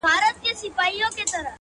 په ځان وهلو باندي ډېر ستړی سو- شعر ليکي-